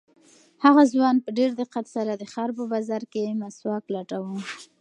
هغه ځوان په ډېر دقت سره د ښار په بازار کې مسواک لټاوه.